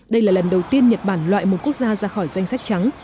đây là lần đầu tiên nhật bản loại một quốc gia ra khỏi danh sách trắng